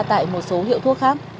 tại một số hiệu thuốc khác